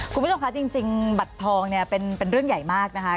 คุณผู้ชมคะจริงบัตรทองเนี่ยเป็นเรื่องใหญ่มากนะคะ